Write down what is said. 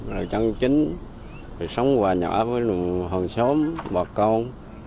rồi chân chính rồi sống hòa nhỏ với hồn xóm bà con